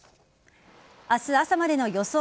明日朝までの予想